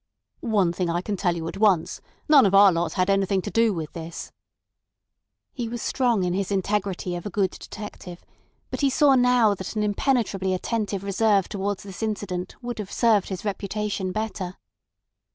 "One thing I can tell you at once: none of our lot had anything to do with this." He was strong in his integrity of a good detective, but he saw now that an impenetrably attentive reserve towards this incident would have served his reputation better.